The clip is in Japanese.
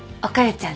ちゃん